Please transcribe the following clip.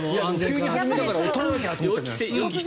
急に始めたから撮らなきゃって。